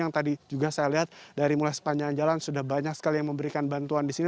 yang tadi juga saya lihat dari mulai sepanjang jalan sudah banyak sekali yang memberikan bantuan di sini